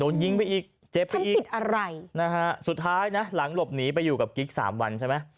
โดนยิงไปอีกเจ็บอะไรนะฮะสุดท้ายนะหลังหลบหนีไปอยู่กับกิ๊กสามวันใช่ไหม